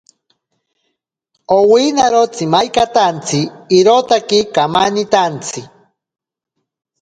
Owinaro tsimainkatantsi irotaki kamanintantsi.